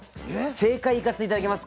正解いかせて頂きます。